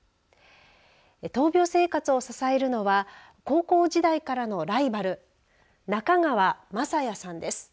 闘病生活を支えるのは高校時代からのライバル中川将弥さんです。